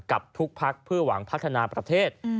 กับทุกพักเพื่อหวังพัฒนาประเทศ